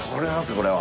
これは。